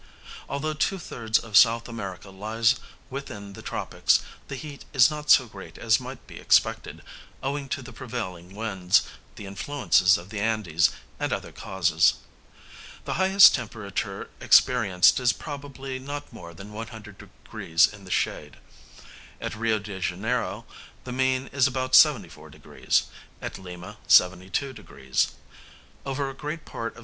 Although two thirds of S. America lies within the tropics the heat is not so great as might be expected, owing to the prevailing winds, the influences of the Andes, and other causes. The highest temperature experienced is probably not more than 100┬░ in the shade; at Rio de Janeiro the mean is about 74┬░, at Lima 72┬░. Over a great part of S.